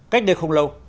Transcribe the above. cách đây không lâu